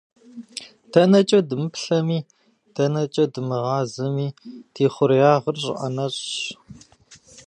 ДэнэкӀэ дымыплъэми, дэнэкӀэ дымыгъазэми, ди хъуреягъыр щӀы ӏэнэщӀщ!